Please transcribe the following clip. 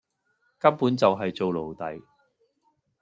根本就係做奴隸